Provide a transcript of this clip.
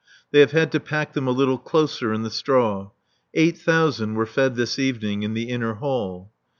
They have had to pack them a little closer in the straw. Eight thousand were fed this evening in the inner hall.